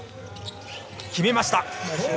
決めました。